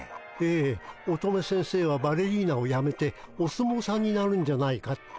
ええ乙女先生はバレリーナをやめてお相撲さんになるんじゃないかって。